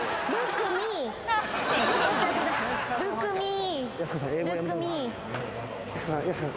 ルックミー。